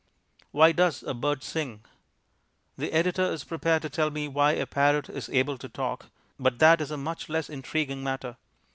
Why does a bird sing? The editor is prepared to tell me why a parrot is able to talk, but that is a much less intriguing matter.